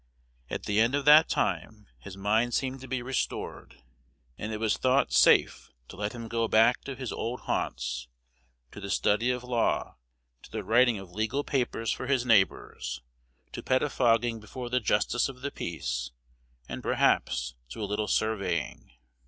At the end of that time his mind seemed to be restored, and it was thought safe to let him go back to his old haunts, to the study of law, to the writing of legal papers for his neighbors, to pettifogging before the justice of the peace, and perhaps to a little surveying.